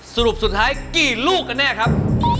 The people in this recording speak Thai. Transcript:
สรุปสุดท้ายกี่ลูกกันแน่ครับ